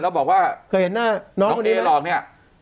แล้วบอกว่าเคยเห็นหน้าน้องเอหลอกเนี่ย